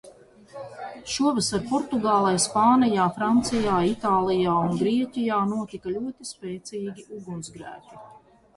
Šovasar Portugālē, Spānijā, Francijā, Itālijā un Grieķijā notika ļoti spēcīgi ugunsgrēki.